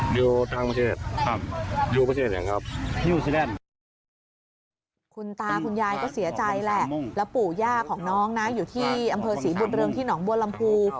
แล้วปู่ย่าของน้องอยู่ที่อำเภอศรีบุรรณเรืองที่หนองบัวลำพู